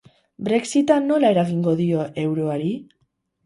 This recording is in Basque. Brexita nola eragingo dio euroari?